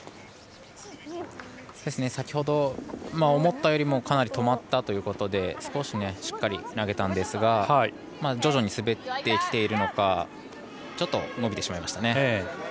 先ほど思ったよりもかなり止まったということで少ししっかり投げたんですが徐々に滑ってきているのかちょっと伸びてしまいましたね。